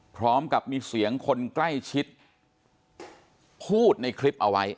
พร้อมกับมีเสียงคนใกล้ชิดพูดในคลิปเอาไว้